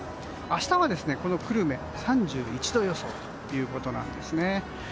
明日は、久留米３１度予想ということなんです。